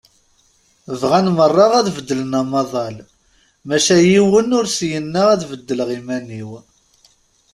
Bɣan merra ad beddlen amaḍal, maca yiwen ur s-yenna ad beddleɣ iman-iw.